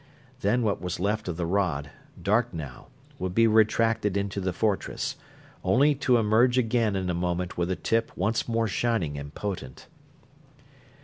Then what was left of the rod, dark now, would be retracted into the fortress only to emerge again in a moment with a tip once more shining and potent.